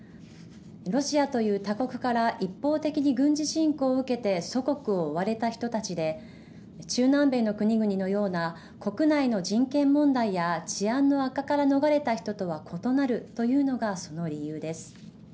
ロシアという他国から一方的に軍事侵攻を受けて祖国を追われた人たちで中南米の国々のような国内の人権問題や治安の悪化から逃れた人とは異なるというのがその理由です。